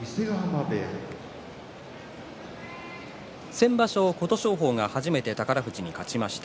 先場所、琴勝峰が初めて宝富士に勝ちました。